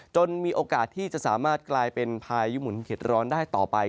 มีโอกาสที่จะสามารถกลายเป็นพายุหมุนเข็ดร้อนได้ต่อไป